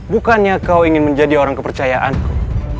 bukannya kau ingin menjadi orang kepercayaanku